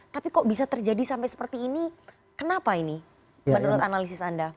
tapi kok bisa terjadi sampai seperti ini kenapa ini menurut analisis anda